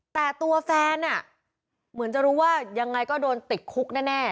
แต่ตัวแฟนเหมือนจะรู้ว่ายังไงก็โดนติดคุกแน่